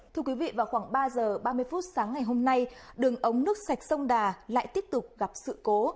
thưa quý vị vào khoảng ba giờ ba mươi phút sáng ngày hôm nay đường ống nước sạch sông đà lại tiếp tục gặp sự cố